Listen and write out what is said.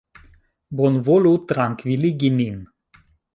Bonvolu trankviligi min.